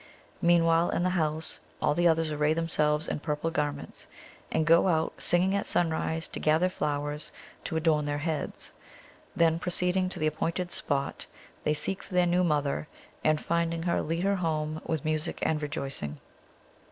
Meanwhile, in the house all the others array themselves in purple garments, and go out singing at sunrise to gather flowers to adorn their heads; then, proceeding to the appointed spot, they seek for their new mother, and, finding her, lead her home with music and rejoicing.